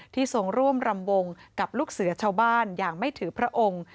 ทรงร่วมรำวงกับลูกเสือชาวบ้านอย่างไม่ถือพระองค์